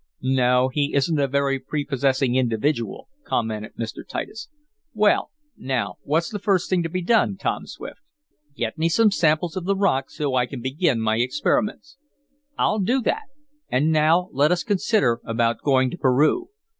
"No, he isn't a very prepossessing individual," commented Mr. Titus. "Well, now what's the first thing to be done, Tom Swift?" "Get me some samples of the rock, so I can begin my experiments." "I'll do that. And now let us consider about going to Peru.